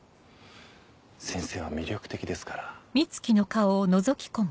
先生は魅力的ですから。